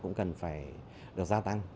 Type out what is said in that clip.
cũng cần phải được gia tăng